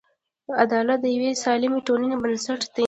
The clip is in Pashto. عدالت د یوې سالمې ټولنې بنسټ دی.